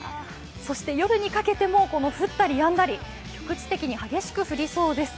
そして夜にかけても降ったりやんだり、局地的に激しく降りそうです。